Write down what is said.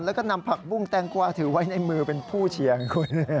แล้วก็นำผักบุ้งแตงกวาถือไว้ในมือเป็นผู้เชียงคุณ